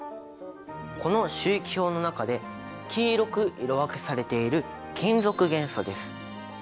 この周期表の中で黄色く色分けされている金属元素です！